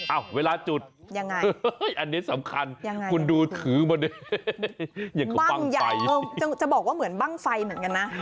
อ้าวเวลาจุดอันนี้สำคัญคุณดูถือมานึงอย่างเกินบ้างไฟเหมือนบ้างไฟเหมือนกันนะ